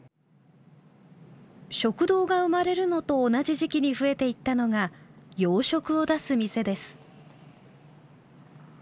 食堂が生まれるのと同じ時期に増えていったのが洋食を出す店です。